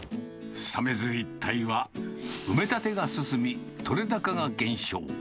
鮫洲一帯は埋め立てが進み、取れ高が減少。